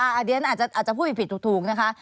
อันนี้อาจจะพูดผิดถูกนะคะ